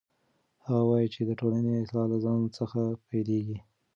هغه وایي چې د ټولنې اصلاح له ځان څخه پیلیږي.